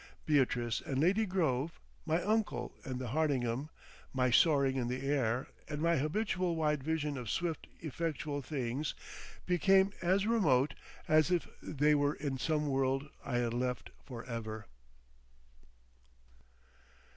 Beatrice and Lady Grove, my uncle and the Hardingham, my soaring in the air and my habitual wide vision of swift effectual things, became as remote as if they were in some world I had left for ever....